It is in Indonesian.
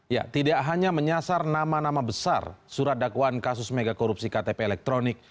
ya tidak hanya menyasar nama nama besar surat dakwaan kasus megakorupsi ktp elektronik